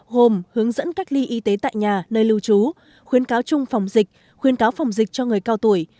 gồm hướng dẫn cách ly y tế tại nhà nơi lưu trú khuyến cáo chung phòng dịch khuyến cáo phòng dịch cho người cao tuổi